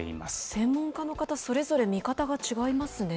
専門家の方、それぞれ見方が違いますね。